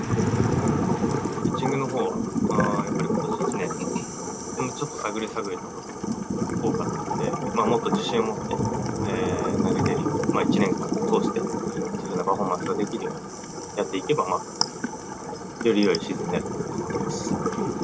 ピッチングの方は今年１年、探り探りが多かったので、もっと自信を持って投げれるように１年間を通していいパフォーマンスができるようにやっていけば、よりよいシーズンになるかなと思っています。